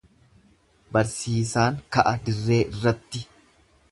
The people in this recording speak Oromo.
Barsiisaan ka'a dirree irratti.